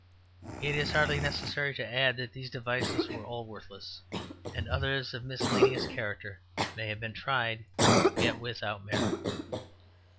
It is hardly necessary to add that these devices were all worthless, and others of miscellaneous character may have been tried, yet without merit.